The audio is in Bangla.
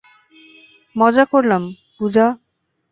মজা করলাম, - পূজা।